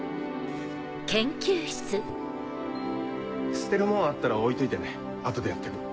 捨てる物あったら置いといてね後でやっとく。